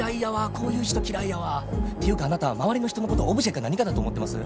こういう人嫌いやわていうかあなた周りの人のことオブジェか何かだと思ってます？